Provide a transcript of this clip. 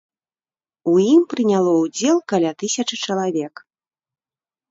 У ім прыняло удзел каля тысячы чалавек.